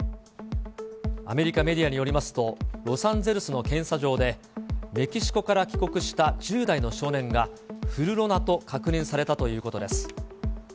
アメリカメディアによりますと、ロサンゼルスの検査場で、メキシコから帰国した１０代の少年が、フルロナと確認されたということです。